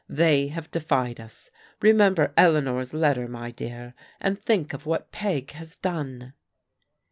They have de fied us. Remember Eleanor's letter, my dear, and think of what Peg has done."